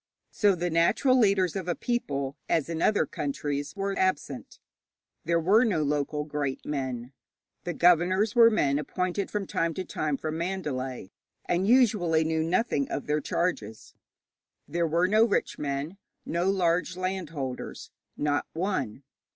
So the natural leaders of a people, as in other countries, were absent. There were no local great men; the governors were men appointed from time to time from Mandalay, and usually knew nothing of their charges; there were no rich men, no large land holders not one.